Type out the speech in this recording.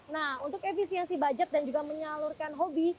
nah untuk efisiensi budget dan juga menyalurkan hobi